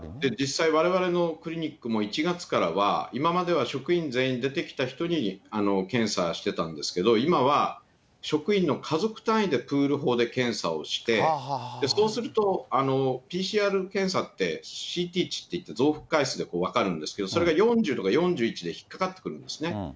実際われわれのクリニックも、１月からは、今までは職員全員出てきた人に検査してたんですけど、今は職員の家族単位でプール法で検査をして、そうすると、ＰＣＲ検査ってＣＴ値っていって、で分かるんですけど、それが４０とか４１で引っ掛かってくるんですね。